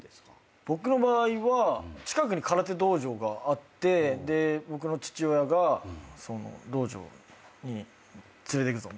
僕の場合は近くに空手道場があって僕の父親が道場に連れてくぞみたいな。